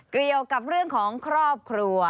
เกี่ยวกับเรื่องของครอบครัว